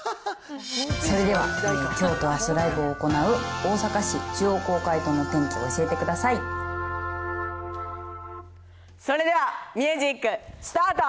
それでは、きょうとあす、ライブを行う大阪市中央公会堂の天気を教えてくだそれではミュージックスタート。